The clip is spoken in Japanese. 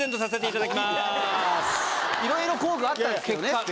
いろいろ工具あったんですけどね。